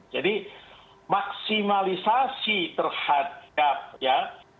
jadi maksimalisasi terhadap ya